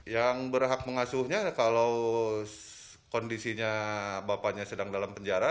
yang berhak mengasuhnya kalau kondisinya bapaknya sedang dalam penjara